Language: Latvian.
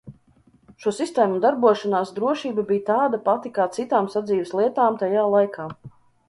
Šo sistēmu darbošanās drošība bija tāda pati kā citām sadzīves lietām tajā laikā.